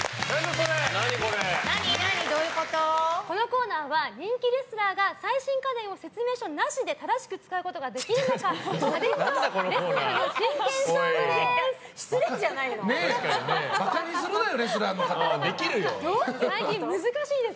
このコーナーは人気レスラーが最新家電を説明書なしで正しく使うことができるのか家電とレスラーの真剣勝負です。